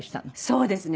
そうですね。